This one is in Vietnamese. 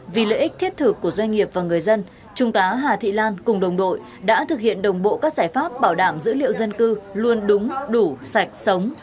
vì lợi ích thiết thực của doanh nghiệp và người dân trung tá hà thị lan cùng đồng đội đã thực hiện đồng bộ các giải pháp bảo đảm dữ liệu dân cư luôn đúng đủ sạch sống